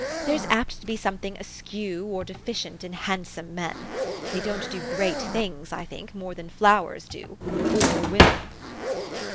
There's apt to be something askew or deficient in handsome men. They don't do great things, I think, more than flowers do or women."